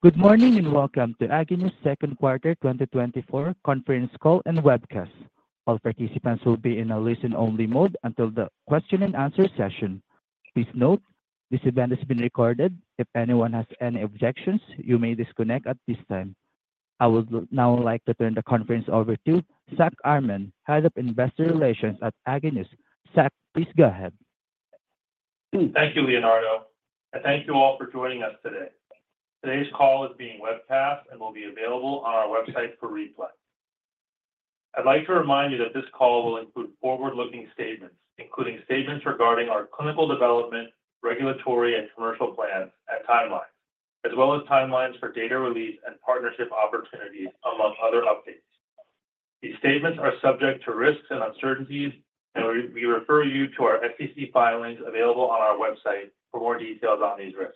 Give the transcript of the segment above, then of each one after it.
Good morning, and welcome to Agenus' second quarter 2024 conference call and webcast. All participants will be in a listen-only mode until the question and answer session. Please note, this event is being recorded. If anyone has any objections, you may disconnect at this time. I would now like to turn the conference over to Zack Armen, Head of Investor Relations at Agenus. Zack, please go ahead. Thank you, Leonardo, and thank you all for joining us today. Today's call is being webcast and will be available on our website for replay. I'd like to remind you that this call will include forward-looking statements, including statements regarding our clinical development, regulatory and commercial plans and timelines, as well as timelines for data release and partnership opportunities, among other updates. These statements are subject to risks and uncertainties, and we, we refer you to our SEC filings available on our website for more details on these risks.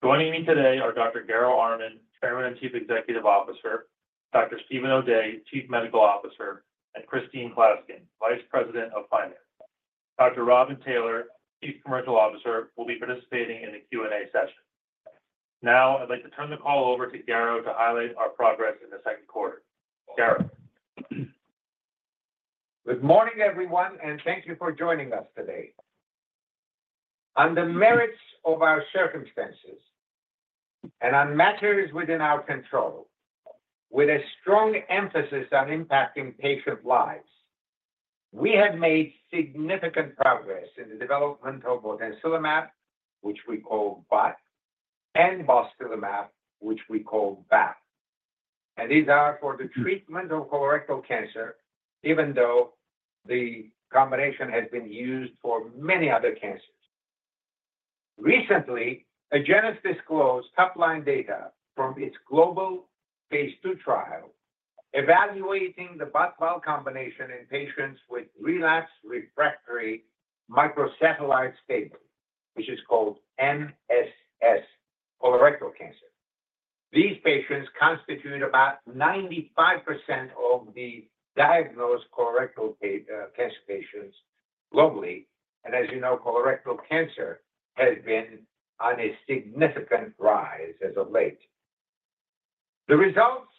Joining me today are Dr. Garo Armen, Chairman and Chief Executive Officer, Dr. Steven O'Day, Chief Medical Officer, and Christine Klaskin, Vice President of Finance. Dr. Robin Taylor, Chief Commercial Officer, will be participating in the Q&A session. Now, I'd like to turn the call over to Garo to highlight our progress in the second quarter. Garo? Good morning, everyone, and thank you for joining us today. On the merits of our circumstances and on matters within our control, with a strong emphasis on impacting patient lives, we have made significant progress in the development of botensilimab, which we call BOT, and balstilimab, which we call BAL. These are for the treatment of colorectal cancer, even though the combination has been used for many other cancers. Recently, Agenus disclosed top-line data from its global phase II trial, evaluating the BOT/BAL combination in patients with relapsed refractory microsatellite stable, which is called MSS colorectal cancer. These patients constitute about 95% of the diagnosed colorectal cancer patients globally, and as you know, colorectal cancer has been on a significant rise as of late. The results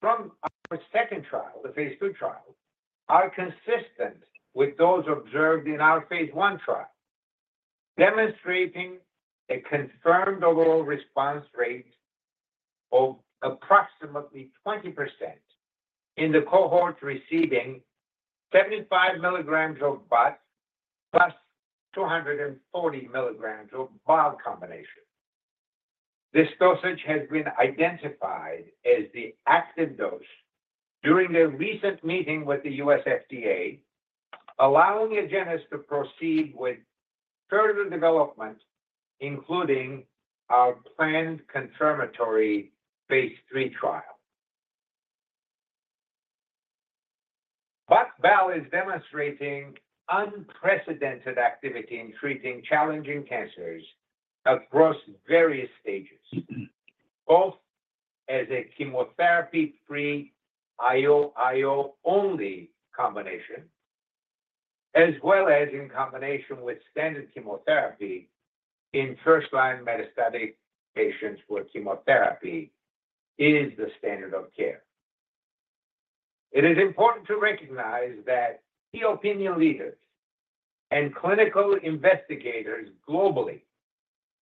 from our second trial, the phase II trial, are consistent with those observed in our phase I trial, demonstrating a confirmed overall response rate of approximately 20% in the cohort receiving 75 milligrams of BOT plus 240 milligrams of BAL combination. This dosage has been identified as the active dose during a recent meeting with the U.S. FDA, allowing Agenus to proceed with further development, including our planned confirmatory phase III trial. BOT/BAL is demonstrating unprecedented activity in treating challenging cancers across various stages, both as a chemotherapy-free IO-IO-only combination, as well as in combination with standard chemotherapy in first-line metastatic patients where chemotherapy is the standard of care. It is important to recognize that key opinion leaders and clinical investigators globally,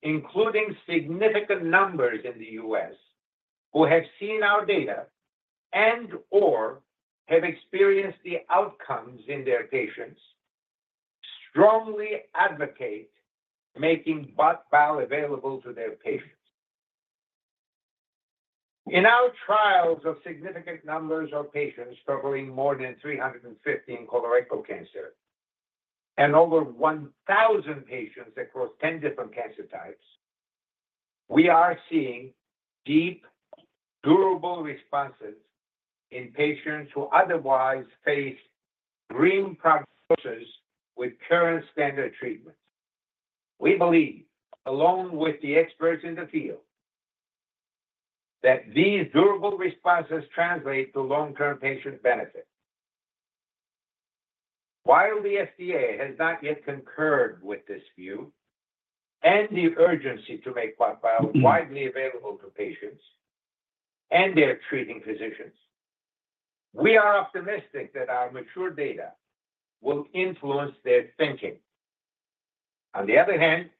including significant numbers in the U.S., who have seen our data and/or have experienced the outcomes in their patients, strongly advocate making BOT/BAL available to their patients. In our trials of significant numbers of patients, totaling more than 350 in colorectal cancer and over 1,000 patients across 10 different cancer types, we are seeing deep, durable responses in patients who otherwise face grim prognosis with current standard treatments. We believe, along with the experts in the field, that these durable responses translate to long-term patient benefit. While the FDA has not yet concurred with this view and the urgency to make BOT/BAL widely available to patients and their treating physicians, we are optimistic that our mature data will influence their thinking. On the other hand,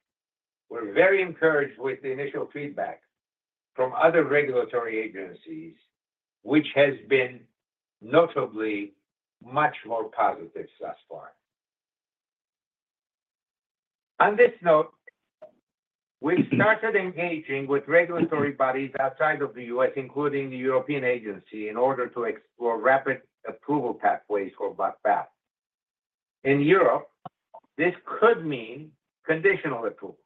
we're very encouraged with the initial feedback from other regulatory agencies, which has been notably much more positive thus far. On this note, we've started engaging with regulatory bodies outside of the U.S., including the European Agency, in order to explore rapid approval pathways for BOT/BAL. In Europe, this could mean conditional approval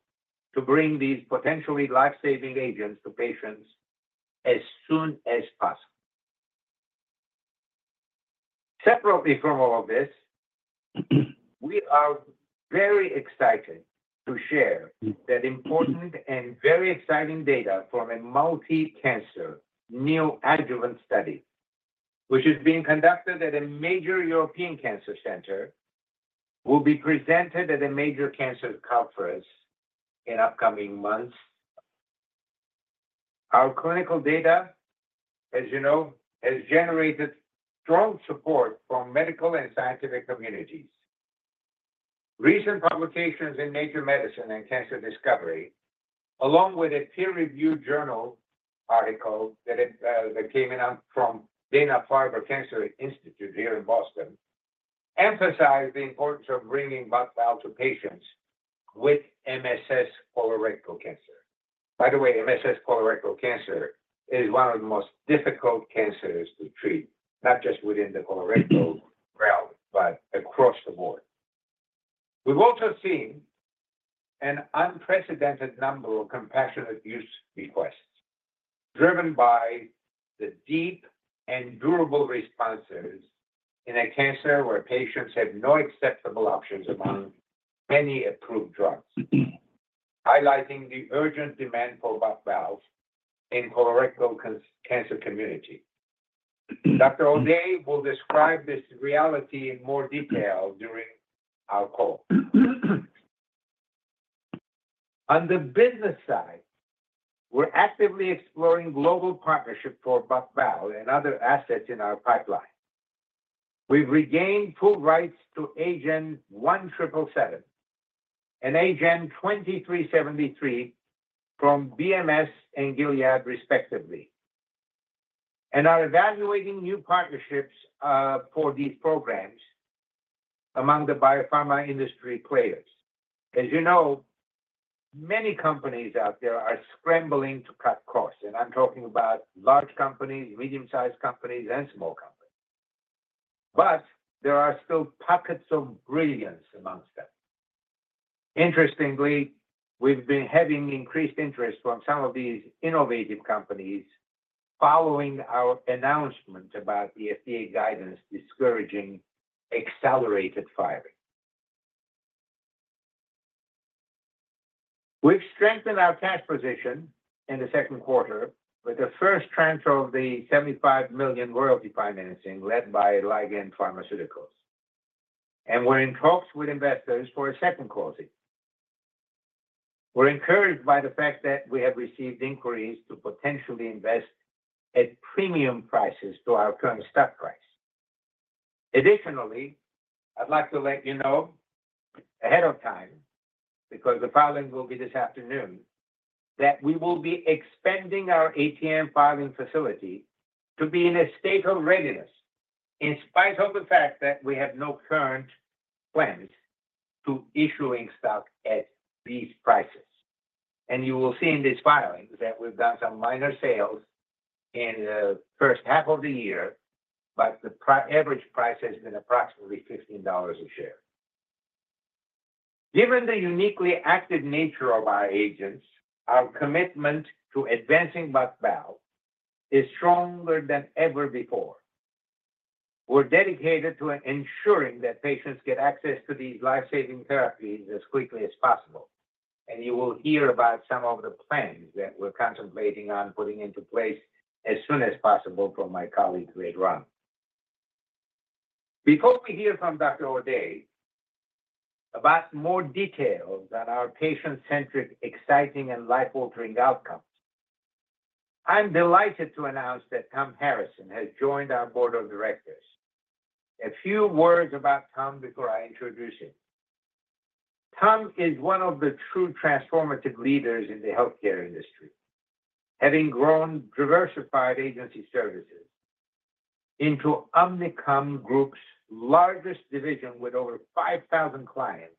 to bring these potentially life-saving agents to patients as soon as possible. Separately from all of this, we are very excited to share that important and very exciting data from a multi-cancer neoadjuvant study, which is being conducted at a major European cancer center, will be presented at a major cancer conference in upcoming months. Our clinical data, as you know, has generated strong support from medical and scientific communities. Recent publications in Nature Medicine and Cancer Discovery, along with a peer-reviewed journal article that came out from Dana-Farber Cancer Institute here in Boston, emphasized the importance of bringing BOT/BAL to patients with MSS colorectal cancer. By the way, MSS colorectal cancer is one of the most difficult cancers to treat, not just within the colorectal realm, but across the board. We've also seen an unprecedented number of compassionate use requests, driven by the deep and durable responses in a cancer where patients have no acceptable options among many approved drugs, highlighting the urgent demand for BOT/BAL in the colorectal cancer community. Dr. O'Day will describe this reality in more detail during our call. On the business side, we're actively exploring global partnership for BOT/BAL and other assets in our pipeline. We've regained full rights to AGEN1777 and AGEN2373 from BMS and Gilead, respectively, and are evaluating new partnerships for these programs among the biopharma industry players. As you know, many companies out there are scrambling to cut costs, and I'm talking about large companies, medium-sized companies, and small companies, but there are still pockets of brilliance among them. Interestingly, we've been having increased interest from some of these innovative companies following our announcement about the FDA guidance discouraging accelerated filing. We've strengthened our cash position in the second quarter with the first tranche of the $75 million royalty financing led by Ligand Pharmaceuticals, and we're in talks with investors for a second closing. We're encouraged by the fact that we have received inquiries to potentially invest at premium prices to our current stock price. Additionally, I'd like to let you know ahead of time, because the filing will be this afternoon, that we will be expanding our ATM facility to be in a state of readiness, in spite of the fact that we have no current plans to issuing stock at these prices. You will see in this filing that we've done some minor sales in the first half of the year, but the prior average price has been approximately $15 a share. Given the uniquely active nature of our agents, our commitment to advancing BOT/BAL is stronger than ever before. We're dedicated to ensuring that patients get access to these life-saving therapies as quickly as possible, and you will hear about some of the plans that we're contemplating on putting into place as soon as possible from my colleague, later on. Before we hear from Dr. O'Day about more details on our patient-centric, exciting, and life-altering outcomes, I'm delighted to announce that Tom Harrison has joined our board of directors. A few words about Tom before I introduce him. Tom is one of the true transformative leaders in the healthcare industry, having grown diversified agency services into Omnicom Group's largest division with over 5,000 clients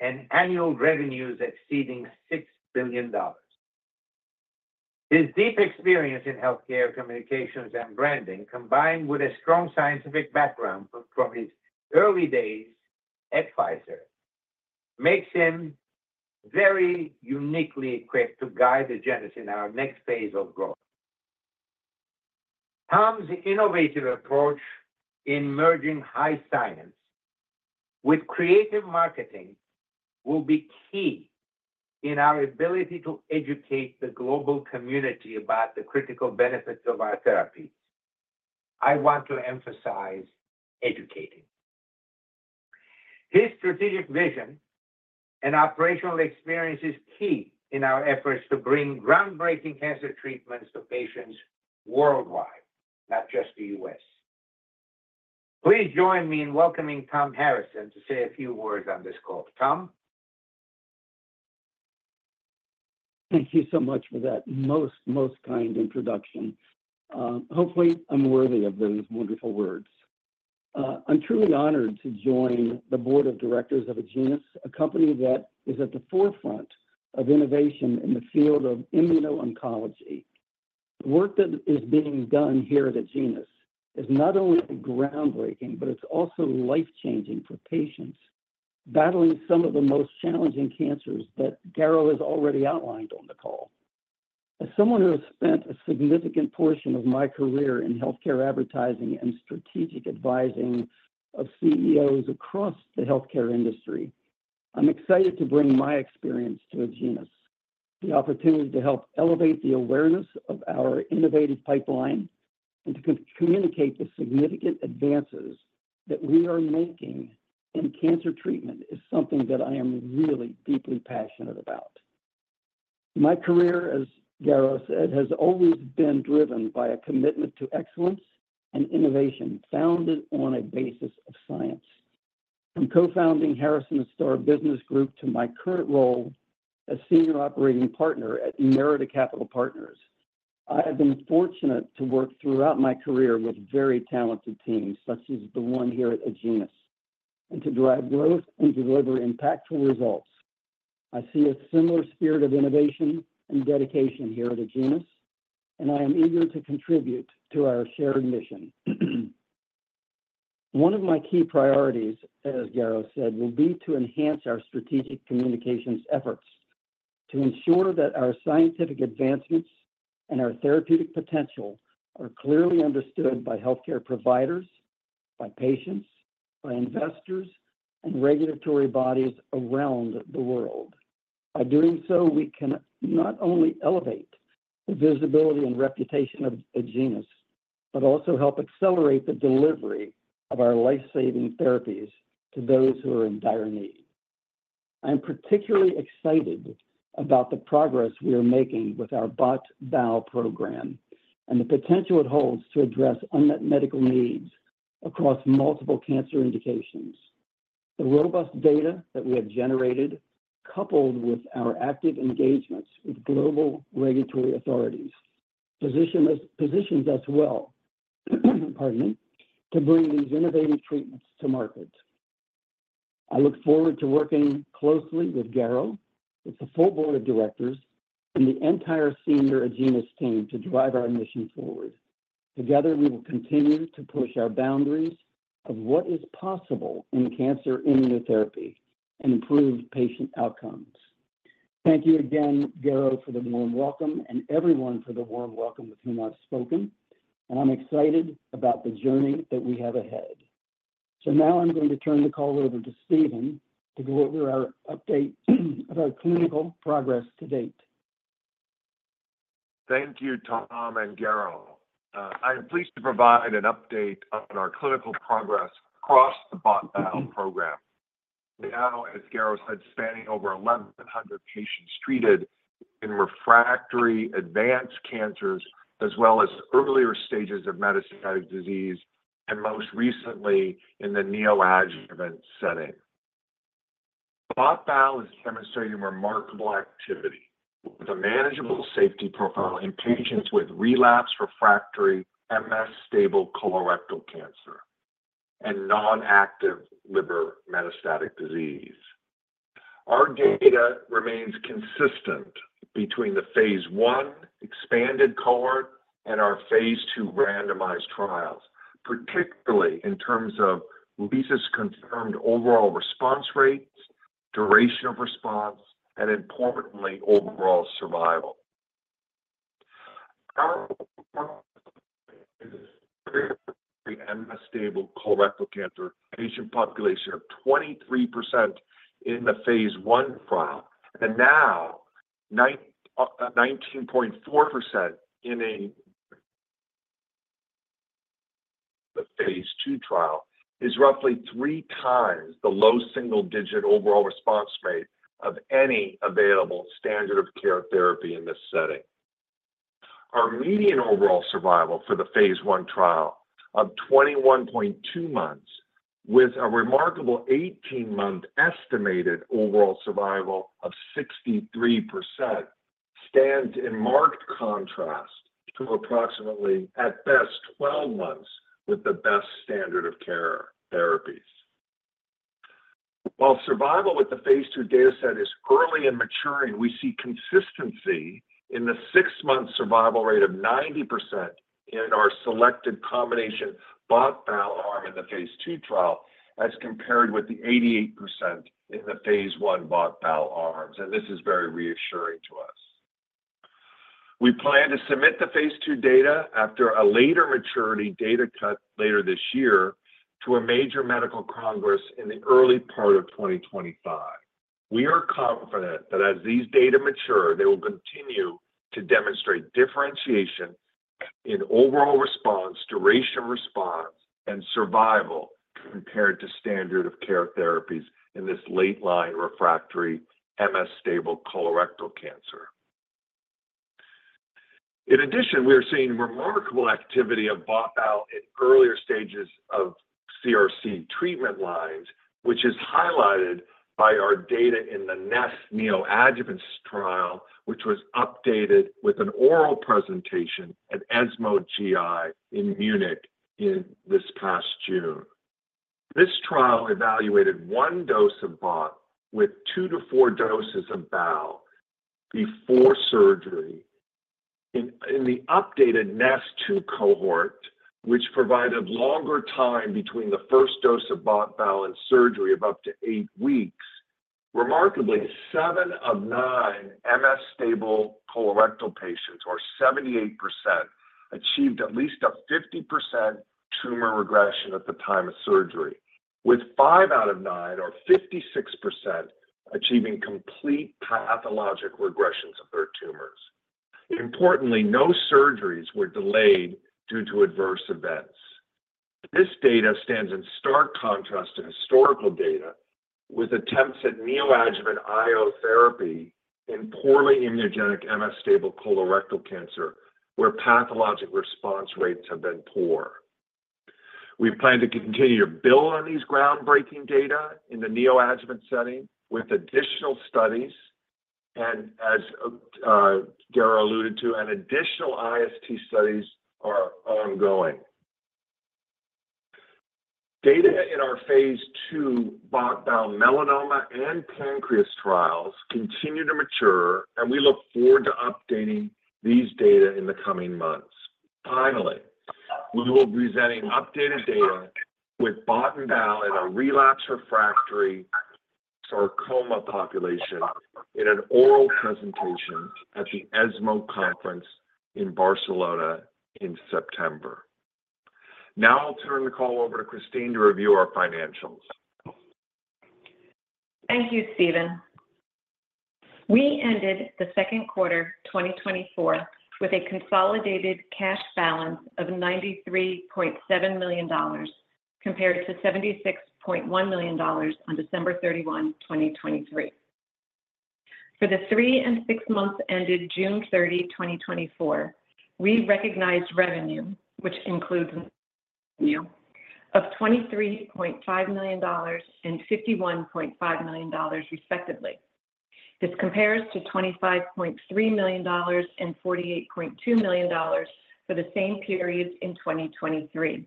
and annual revenues exceeding $6 billion. His deep experience in healthcare, communications, and branding, combined with a strong scientific background from his early days at Pfizer, makes him very uniquely equipped to guide Agenus in our next phase of growth. Tom's innovative approach in merging high science with creative marketing will be key in our ability to educate the global community about the critical benefits of our therapies. I want to emphasize educating. His strategic vision and operational experience is key in our efforts to bring groundbreaking cancer treatments to patients worldwide, not just the U.S. Please join me in welcoming Tom Harrison to say a few words on this call. Tom? Thank you so much for that most, most kind introduction. Hopefully, I'm worthy of those wonderful words. I'm truly honored to join the board of directors of Agenus, a company that is at the forefront of innovation in the field of immuno-oncology. Work that is being done here at Agenus is not only groundbreaking, but it's also life-changing for patients battling some of the most challenging cancers that Garo has already outlined on the call. As someone who has spent a significant portion of my career in healthcare advertising and strategic advising of CEOs across the healthcare industry, I'm excited to bring my experience to Agenus.... The opportunity to help elevate the awareness of our innovative pipeline and to communicate the significant advances that we are making in cancer treatment, is something that I am really deeply passionate about. My career, as Garo said, has always been driven by a commitment to excellence and innovation, founded on a basis of science. From co-founding Harrison Star Business Group to my current role as Senior Operating Partner at Merida Capital Partners, I have been fortunate to work throughout my career with very talented teams, such as the one here at Agenus, and to drive growth and deliver impactful results. I see a similar spirit of innovation and dedication here at Agenus, and I am eager to contribute to our shared mission. One of my key priorities, as Garo said, will be to enhance our strategic communications efforts, to ensure that our scientific advancements and our therapeutic potential are clearly understood by healthcare providers, by patients, by investors, and regulatory bodies around the world. By doing so, we can not only elevate the visibility and reputation of Agenus, but also help accelerate the delivery of our life-saving therapies to those who are in dire need. I am particularly excited about the progress we are making with our BOT/BAL program, and the potential it holds to address unmet medical needs across multiple cancer indications. The robust data that we have generated, coupled with our active engagements with global regulatory authorities, position us, positions us well, pardon me, to bring these innovative treatments to market. I look forward to working closely with Garo, with the full board of directors, and the entire senior Agenus team to drive our mission forward. Together, we will continue to push our boundaries of what is possible in cancer immunotherapy and improve patient outcomes. Thank you again, Garo, for the warm welcome, and everyone for the warm welcome with whom I've spoken, and I'm excited about the journey that we have ahead. So now I'm going to turn the call over to Stephen to go over our update, of our clinical progress to date. Thank you, Tom and Garo. I am pleased to provide an update on our clinical progress across the BOT/BAL program. Now, as Garo said, spanning over 1,100 patients treated in refractory advanced cancers, as well as earlier stages of metastatic disease, and most recently in the neoadjuvant setting. BOT/BAL is demonstrating remarkable activity with a manageable safety profile in patients with relapsed, refractory, MSS-stable colorectal cancer and non-active liver metastatic disease. Our data remains consistent between the phase I expanded cohort and our phase II randomized trials, particularly in terms of RECIST-confirmed overall response rates, duration of response, and importantly, overall survival. Our stable colorectal cancer patient population of 23% in the phase I trial, and now 19.4% in the phase II trial, is roughly 3x the low single-digit overall response rate of any available standard of care therapy in this setting. Our median overall survival for the phase I trial of 21.2 months, with a remarkable 18-month estimated overall survival of 63%, stands in marked contrast to approximately, at best, 12 months with the best standard of care therapies. While survival with the phase II data set is early and maturing, we see consistency in the 6-month survival rate of 90% in our selected combination BOT/BAL arm in the phase II trial, as compared with the 88% in the phase I BOT/BAL arms, and this is very reassuring to us. We plan to submit the phase II data after a later maturity data cut later this year to a major medical congress in the early part of 2025. We are confident that as these data mature, they will continue to demonstrate differentiation in overall response, duration of response, and survival compared to standard of care therapies in this late-line refractory MSS-stable colorectal cancer. In addition, we are seeing remarkable activity of BOT/BAL in earlier stages of CRC treatment lines, which is highlighted by our data in the NEST neoadjuvant trial, which was updated with an oral presentation at ESMO GI in Munich in this past June. This trial evaluated one dose of BOT with two to four doses of BAL before surgery. In the updated NEST two cohort, which provided longer time between the first dose of BOT/BAL and surgery of up to eight weeks, remarkably, seven of nine MSS-stable colorectal patients, or 78%, achieved at least a 50% tumor regression at the time of surgery. With five out of nine, or 56%, achieving complete pathologic regressions of their tumors. Importantly, no surgeries were delayed due to adverse events. This data stands in stark contrast to historical data, with attempts at neoadjuvant IO therapy in poorly immunogenic MSS-stable colorectal cancer, where pathologic response rates have been poor. We plan to continue to build on these groundbreaking data in the neoadjuvant setting with additional studies, and as Garo alluded to, and additional IST studies are ongoing. Data in our phase II BOT/BAL melanoma and pancreas trials continue to mature, and we look forward to updating these data in the coming months. Finally, we will be presenting updated data with BOT/BAL in a relapsed refractory sarcoma population in an oral presentation at the ESMO conference in Barcelona in September. Now I'll turn the call over to Christine to review our financials. Thank you, Stephen. We ended the second quarter 2024 with a consolidated cash balance of $93.7 million, compared to $76.1 million on December 31, 2023. For the three and six months ended June 30, 2024, we recognized revenue, which includes of $23.5 million and $51.5 million, respectively. This compares to $25.3 million and $48.2 million for the same periods in 2023.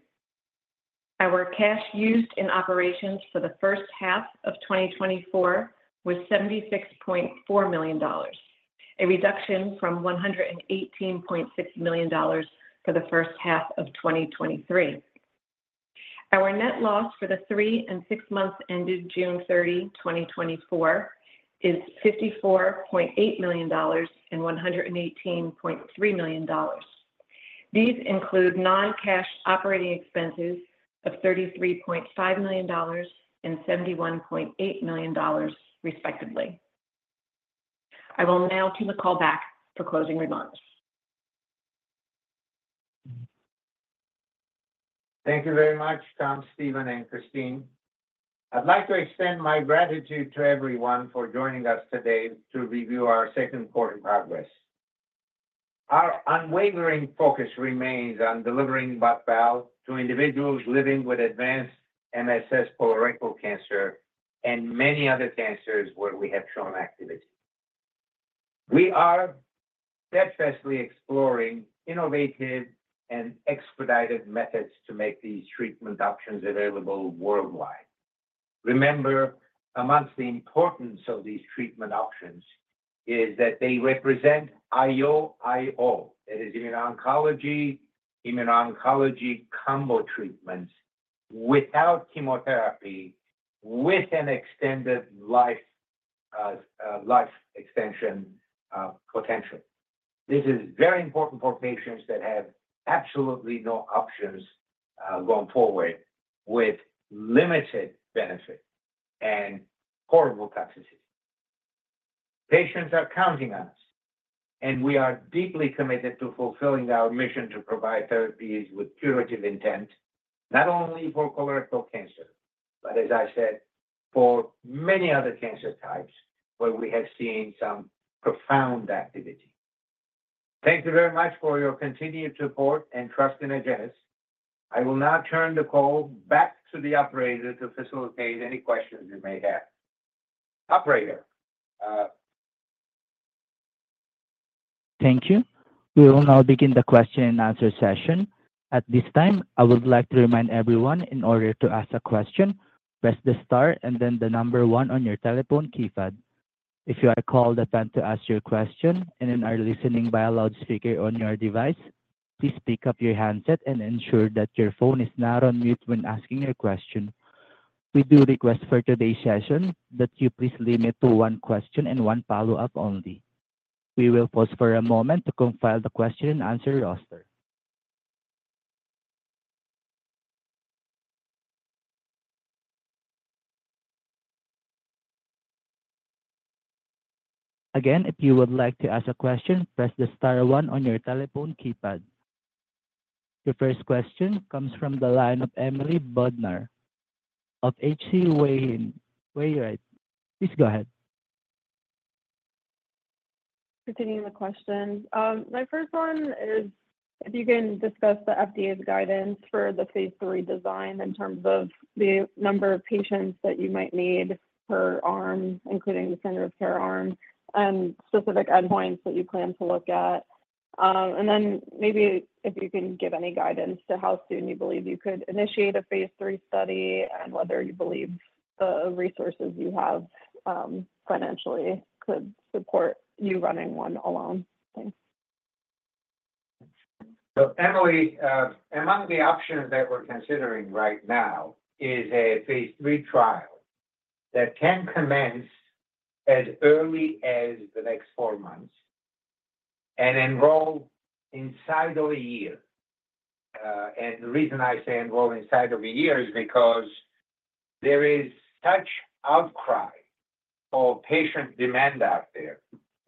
Our cash used in operations for the first half of 2024 was $76.4 million, a reduction from $118.6 million for the first half of 2023. Our net loss for the three and six months ended June 30, 2024, is $54.8 million and $118.3 million. These include non-cash operating expenses of $33.5 million and $71.8 million, respectively. I will now turn the call back for closing remarks. Thank you very much, Tom, Stephen, and Christine. I'd like to extend my gratitude to everyone for joining us today to review our second quarter progress. Our unwavering focus remains on delivering BOT/BAL to individuals living with advanced MSS colorectal cancer and many other cancers where we have shown activity. We are steadfastly exploring innovative and expedited methods to make these treatment options available worldwide. Remember, amongst the importance of these treatment options is that they represent IO-IO. That is immune oncology, immune oncology combo treatments without chemotherapy, with an extended life, life extension, potential. This is very important for patients that have absolutely no options, going forward with limited benefit and horrible toxicity. Patients are counting on us, and we are deeply committed to fulfilling our mission to provide therapies with curative intent, not only for colorectal cancer, but as I said, for many other cancer types, where we have seen some profound activity. Thank you very much for your continued support and trust in Agenus. I will now turn the call back to the operator to facilitate any questions you may have. Operator. Thank you. We will now begin the question and answer session. At this time, I would like to remind everyone in order to ask a question, press the star and then the number one on your telephone keypad. If you are called upon to ask your question and are listening via loudspeaker on your device, please pick up your handset and ensure that your phone is not on mute when asking your question. We do request for today's session, that you please limit to one question and one follow-up only. We will pause for a moment to compile the question and answer roster. Again, if you would like to ask a question, press the star one on your telephone keypad. The first question comes from the line of Emily Bodner of H.C. Wainwright. Please go ahead. Continuing the questions. My first one is if you can discuss the FDA's guidance for the phase III design in terms of the number of patients that you might need per arm, including the standard of care arm, and specific endpoints that you plan to look at. And then maybe if you can give any guidance to how soon you believe you could initiate a phase III study, and whether you believe the resources you have, financially could support you running one alone? Thanks. So, Emily, among the options that we're considering right now is a phase III trial that can commence as early as the next four months and enroll inside of a year. And the reason I say enroll inside of a year is because there is such outcry or patient demand out there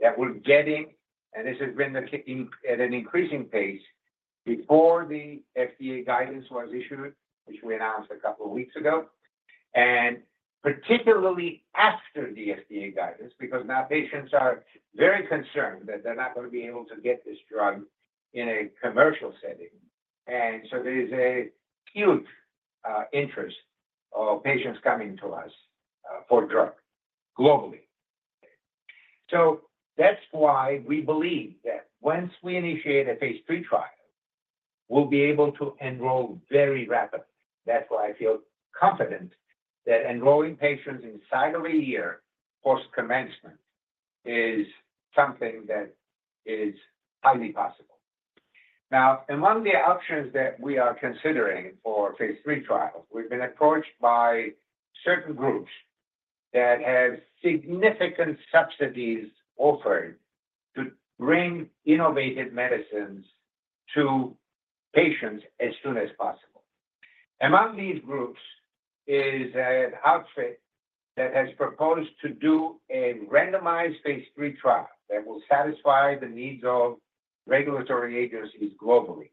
that we're getting, and this has been at an increasing pace before the FDA guidance was issued, which we announced a couple of weeks ago, and particularly after the FDA guidance, because now patients are very concerned that they're not going to be able to get this drug in a commercial setting. And so there is a huge interest of patients coming to us for drug globally. So that's why we believe that once we initiate a phase III trial, we'll be able to enroll very rapidly. That's why I feel confident that enrolling patients inside of a year post-commencement is something that is highly possible. Now, among the options that we are considering for phase III trials, we've been approached by certain groups that have significant subsidies offered to bring innovative medicines to patients as soon as possible. Among these groups is an outfit that has proposed to do a randomized phase III trial that will satisfy the needs of regulatory agencies globally,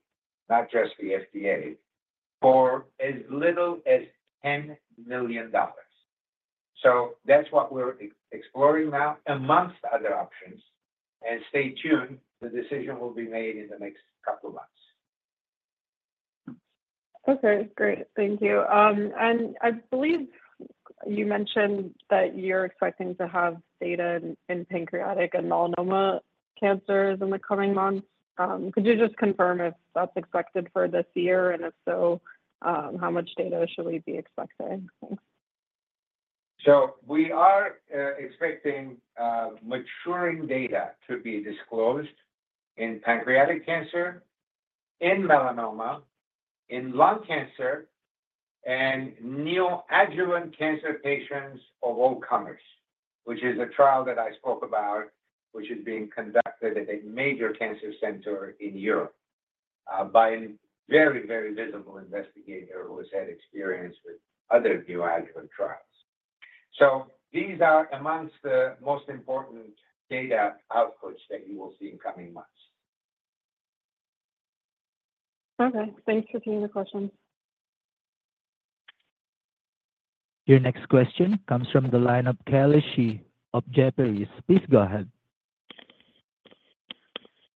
not just the FDA, for as little as $10 million. So that's what we're exploring now, amongst other options. And stay tuned, the decision will be made in the next couple of months. Okay, great. Thank you. I believe you mentioned that you're expecting to have data in pancreatic and melanoma cancers in the coming months. Could you just confirm if that's expected for this year? And if so, how much data should we be expecting? Thanks. So we are expecting maturing data to be disclosed in pancreatic cancer, in melanoma, in lung cancer, and neoadjuvant cancer patients of all comers, which is a trial that I spoke about, which is being conducted at a major cancer center in Europe by a very, very visible investigator who has had experience with other neoadjuvant trials. So these are amongst the most important data outputs that you will see in coming months. Okay. Thanks for taking the question. Your next question comes from the line of Kelly Shi of Jefferies. Please go ahead.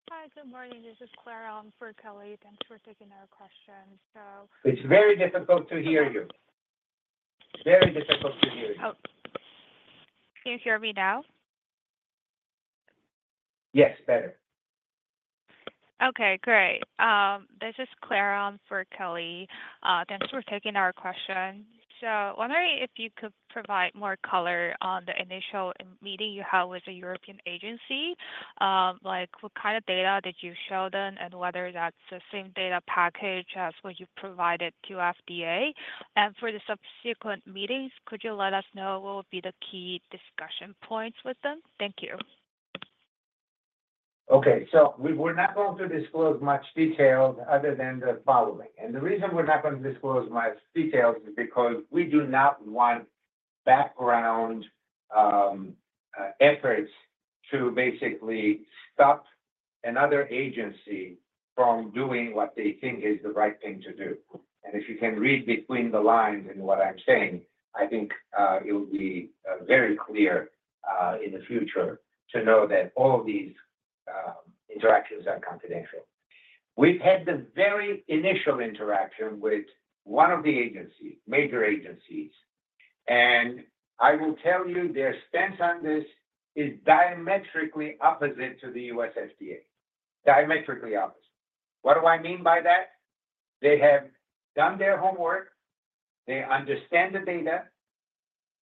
Hi, good morning. This is Claire on for Kelly. Thanks for taking our question. So- It's very difficult to hear you. Very difficult to hear you. Oh, can you hear me now? Yes, better. Okay, great. This is Claire on for Kelly. Thanks for taking our question. So wondering if you could provide more color on the initial meeting you had with the European agency. Like, what kind of data did you show them, and whether that's the same data package as what you provided to FDA? And for the subsequent meetings, could you let us know what would be the key discussion points with them? Thank you. Okay. So we're not going to disclose much details other than the following. The reason we're not going to disclose much details is because we do not want background efforts to basically stop another agency from doing what they think is the right thing to do. If you can read between the lines in what I'm saying, I think it will be very clear in the future to know that all these interactions are confidential. We've had the very initial interaction with one of the agencies, major agencies, and I will tell you their stance on this is diametrically opposite to the U.S. FDA. Diametrically opposite. What do I mean by that? They have done their homework, they understand the data.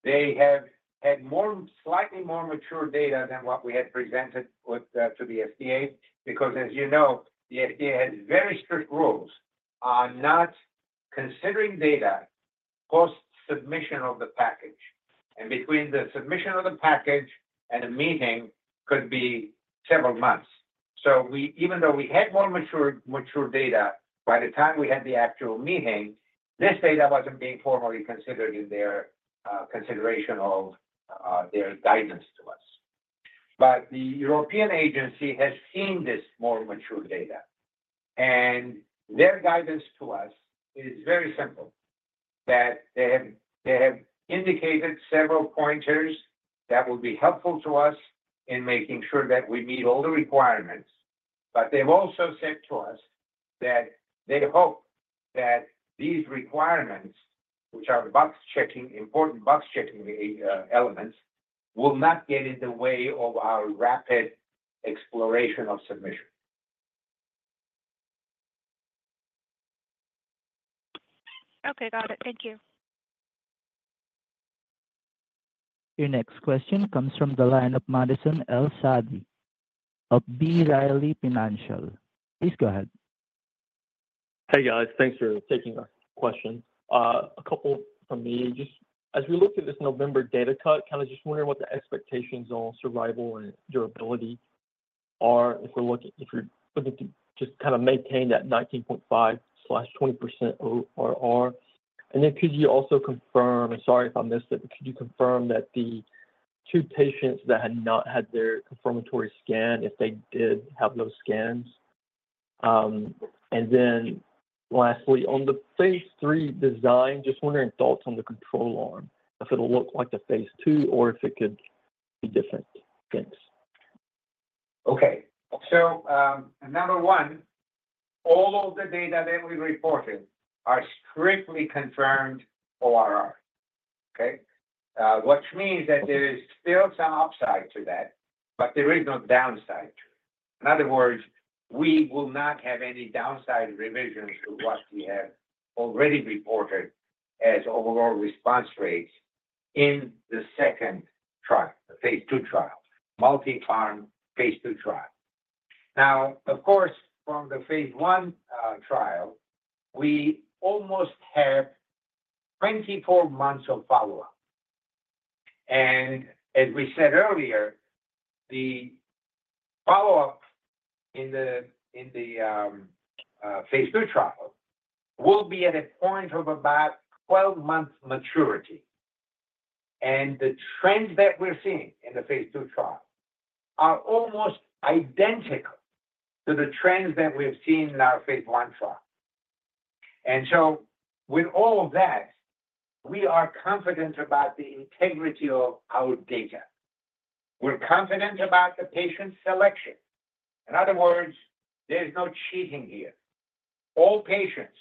They have had more, slightly more mature data than what we had presented with to the FDA, because as you know, the FDA has very strict rules on not considering data post-submission of the package, and between the submission of the package and a meeting could be several months. So we even though we had more matured, mature data, by the time we had the actual meeting, this data wasn't being formally considered in their consideration of their guidance to us. But the European agency has seen this more mature data, and their guidance to us is very simple, that they have, they have indicated several pointers that will be helpful to us in making sure that we meet all the requirements. But they've also said to us that they hope that these requirements, which are box checking, important box checking elements, will not get in the way of our rapid exploration of submission. Okay, got it. Thank you. Your next question comes from the line of Madison El-Saadi of B. Riley Financial. Please go ahead.... Hey, guys. Thanks for taking our questions. A couple from me. Just as we look at this November data cut, kind of just wondering what the expectations on survival and durability are. If we're looking, if you're looking to just kind of maintain that 19.5%-20% ORR. And then could you also confirm, and sorry if I missed it, but could you confirm that the two patients that had not had their confirmatory scan, if they did have those scans? And then lastly, on the phase III design, just wondering, thoughts on the control arm, if it'll look like the phase II, or if it could be different things? Okay. So, number 1, all of the data that we reported are strictly confirmed ORR, okay? which means that there is still some upside to that, but there is no downside to it. In other words, we will not have any downside revisions to what we have already reported as overall response rates in the second trial, the phase II trial, multi-arm phase II trial. Now, of course, from the phase I trial, we almost have 24 months of follow-up. And as we said earlier, the follow-up in the phase II trial will be at a point of about 12 months maturity. And the trends that we're seeing in the phase II trial are almost identical to the trends that we've seen in our phase I trial. And so with all of that, we are confident about the integrity of our data. We're confident about the patient selection. In other words, there's no cheating here. All patients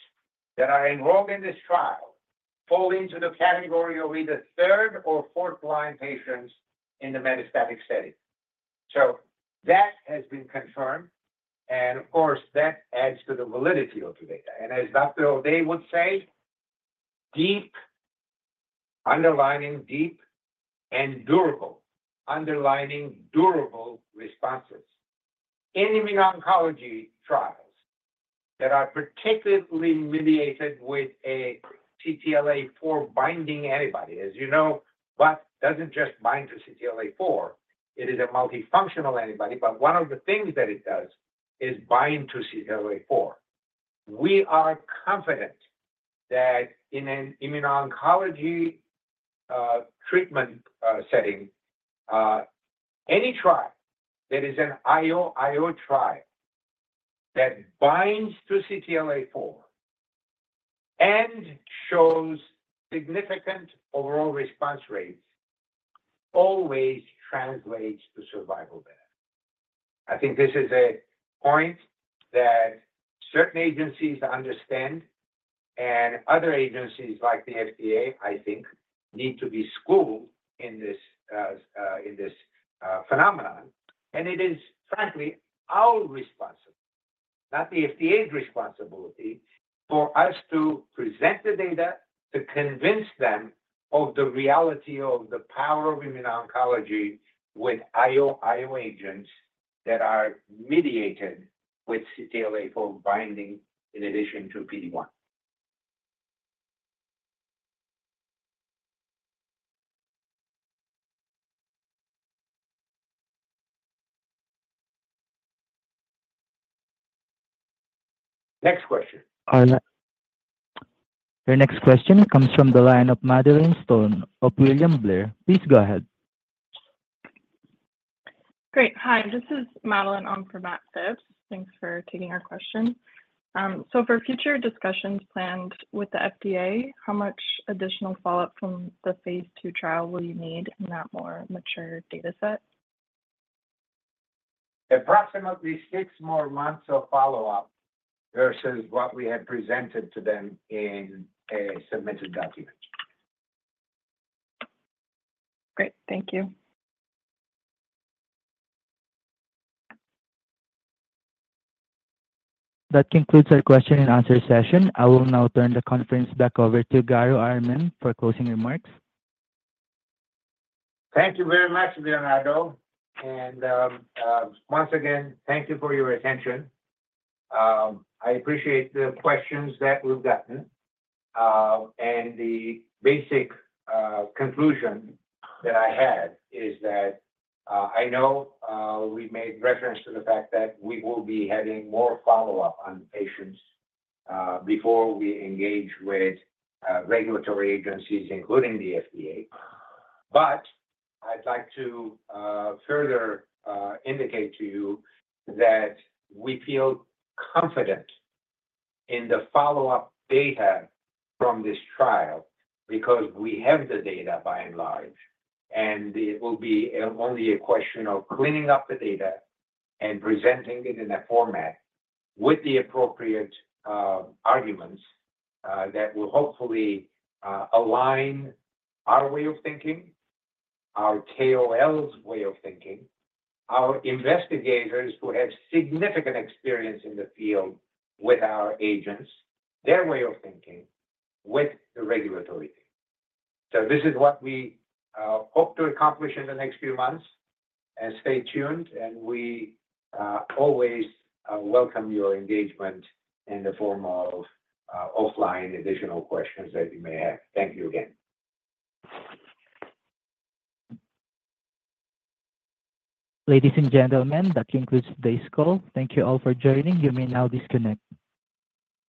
that are enrolled in this trial fall into the category of either third or fourth line patients in the metastatic setting. So that has been confirmed, and of course, that adds to the validity of the data. And as Dr. O'Day would say, "Deep, underlining deep and durable, underlining durable responses." In immuno-oncology trials that are particularly mediated with a CTLA-4 binding antibody, as you know, but doesn't just bind to CTLA-4, it is a multifunctional antibody, but one of the things that it does is bind to CTLA-4. We are confident that in an immuno-oncology treatment setting, any trial that is an IO-IO trial, that binds to CTLA-4 and shows significant overall response rates, always translates to survival benefit. I think this is a point that certain agencies understand, and other agencies, like the FDA, I think, need to be schooled in this phenomenon. And it is frankly, our responsibility, not the FDA's responsibility, for us to present the data to convince them of the reality of the power of immuno-oncology with IO-IO agents that are mediated with CTLA-4 binding in addition to PD-1. Next question. Your next question comes from the line of Madeline Stone of William Blair. Please go ahead. Great. Hi, this is Madeline on for Matt Phipps. Thanks for taking our question. So, for future discussions planned with the FDA, how much additional follow-up from the phase II trial will you need in that more mature data set? Approximately six more months of follow-up versus what we had presented to them in a submitted document. Great. Thank you. That concludes our question and answer session. I will now turn the conference back over to Garo Armen for closing remarks. Thank you very much, Bernardo, and once again, thank you for your attention. I appreciate the questions that we've gotten, and the basic conclusion that I had is that I know we made reference to the fact that we will be having more follow-up on patients before we engage with regulatory agencies, including the FDA. But I'd like to further indicate to you that we feel confident in the follow-up data from this trial because we have the data by and large, and it will be only a question of cleaning up the data and presenting it in a format with the appropriate arguments that will hopefully align our way of thinking, our KOL's way of thinking, our investigators who have significant experience in the field with our agents, their way of thinking with the regulatory. So this is what we hope to accomplish in the next few months, and stay tuned, and we always welcome your engagement in the form of offline additional questions that you may have. Thank you again. Ladies and gentlemen, that concludes today's call. Thank you all for joining. You may now disconnect.